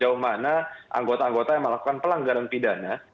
jauhmana anggota anggota yang melakukan pelanggaran pidana